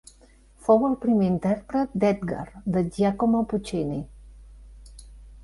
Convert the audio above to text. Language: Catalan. Fou el primer intèrpret d'Edgar de Giacomo Puccini.